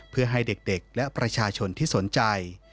เพื่อให้เด็กและประชาชนที่สนใจ